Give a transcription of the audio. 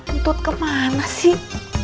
untut kemana sih